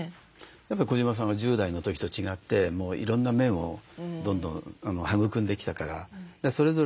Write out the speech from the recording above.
やっぱり小島さんは１０代の時と違っていろんな面をどんどん育んできたからそれぞれの面でおつきあいする人たちが